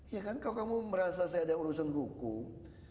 ya kan kalau kamu merasa saya ada urusan hukum